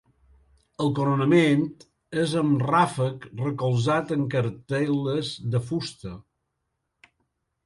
El coronament és amb ràfec recolzat en cartel·les de fusta.